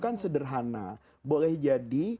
kan sederhana boleh jadi